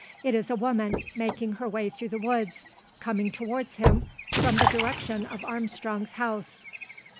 It is a woman, making her way through the woods, coming towards him, from the direction of Armstrong's house.